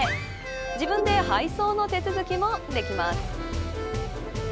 自分で配送の手続きもできます。